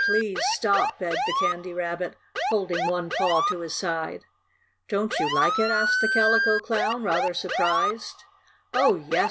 Please stop!" begged the Candy Rabbit, holding one paw to his side. "Don't you like it?" asked the Calico Clown, rather surprised. "Oh, yes!"